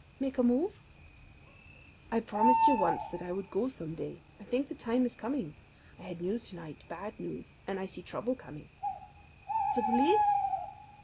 "Make a move?" "I promised you once that I would go some day. I think the time is coming. I had news to night, bad news, and I see trouble coming." "The police?"